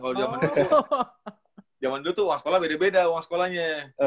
kalau zaman dulu tuh uang sekolah beda beda uang sekolahnya